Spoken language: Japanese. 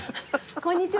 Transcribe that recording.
こんにちは。